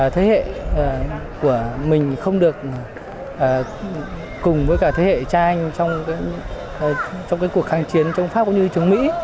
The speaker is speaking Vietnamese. thế hệ của mình không được cùng với cả thế hệ cha anh trong cái cuộc kháng chiến trong pháp cũng như trong mỹ